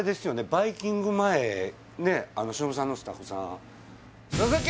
バイキング前ね忍さんのスタッフさん「鈴木！」